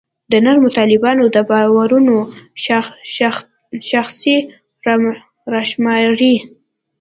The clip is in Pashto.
د نرمو طالبانو د باورونو شاخصې راشماري.